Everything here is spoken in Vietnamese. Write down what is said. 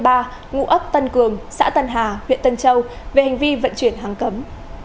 ngụ ấp tân cường xã tân hà huyện tân châu về hành vi vận chuyển hàng cấm